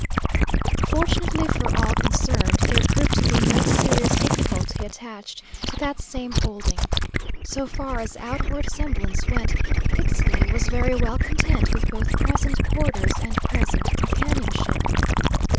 Fortunately for all concerned, there proved to be no serious difficulty attached to that same holding. So far as outward semblance went, Ixtli was very well content with both present quarters and present companionship.